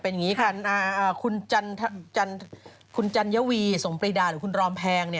เป็นอย่างนี้ค่ะคุณจัญวีสมปรีดาหรือคุณรอมแพง